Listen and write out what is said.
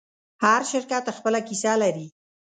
هر شرکت خپله کیسه لري.